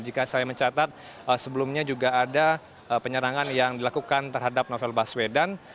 jika saya mencatat sebelumnya juga ada penyerangan yang dilakukan terhadap novel baswedan